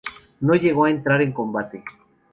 No llegó a entrar en combate.